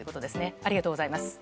ありがとうございます。